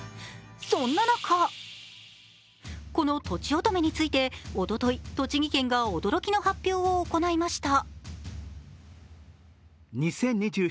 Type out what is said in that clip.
そんな中この、とちおとめについておととい栃木県が驚きの発表を行いました。